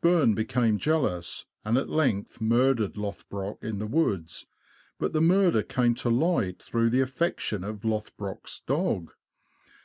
Bern became jealous, and at length murdered Lothbrock in the woods; but the murder came to light through the affection of Lothbrock's dog.